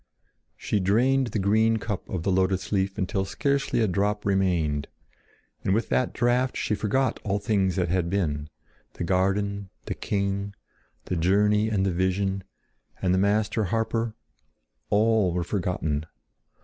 She drained the green cup of the lotus leaf until scarcely a drop remained, and with that draught she forgot all things that had been—the garden, the king, the journey and the vision, and the master harper—all were forgotten.